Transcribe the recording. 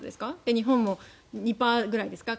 日本も２％ぐらいですか。